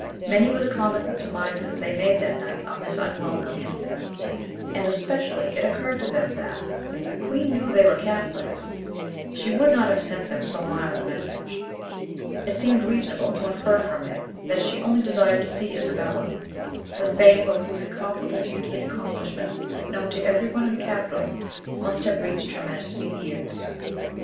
Many were the comments and surmises they made that night on this unwelcome incident, and especially it occurred to them that, if the Queen knew they were Catholics, she would not have sent them so mild a message; it seemed reasonable to infer from it, that she only desired to see Isabella, the fame of whose incomparable beauty and accomplishments, known to every one in the capital, must have reached her Majesty's ears.